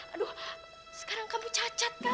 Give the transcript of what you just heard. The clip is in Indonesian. aduh sekarang kamu cacat nih